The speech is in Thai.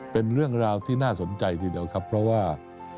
เป็นเรื่องราวที่น่าสนใจทีเดียวครับเพราะว่า